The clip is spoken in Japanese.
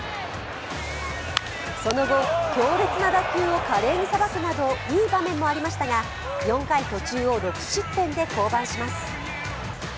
その後、強烈な打球を華麗にさばくなどいい場面もありましたが４回途中を６失点で降板します。